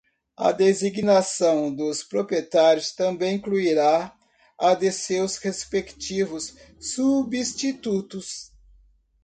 A designação dos proprietários também incluirá a de seus respectivos substitutos.